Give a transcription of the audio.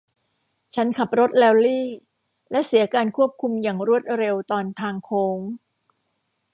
ฉันขับรถแรลลี่ และเสียการควบคุมอย่างรวดเร็วตอนทางโค้ง